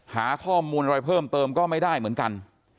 หาข้อมูลอะไรเพิ่มเติมก็ไม่ได้เหมือนกัน